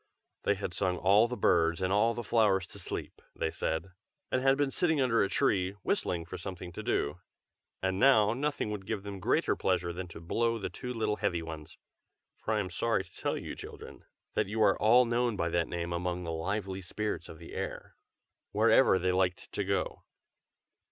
They had sung all the birds and all the flowers to sleep, they said, and had been sitting under a tree, whistling for something to do, and now nothing would give them greater pleasure than to blow the two little heavy ones (for I am sorry to tell you, children, that you are all known by that name among the lively spirits of the air,) wherever they liked to go.